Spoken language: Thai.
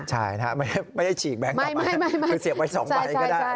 ใช่ไม่ได้ฉีกแบงค์กลับมาคือเสียบไว้สองใบก็ได้